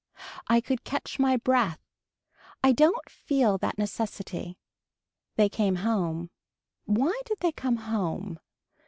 I could catch my breath. I don't feel that necessity. They came home. Why did they come home.